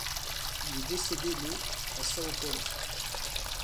Il est décédé le à São Paulo.